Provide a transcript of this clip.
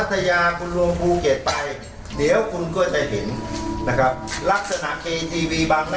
ใช้ได้๕ชั่วโมง๖ชั่วโมง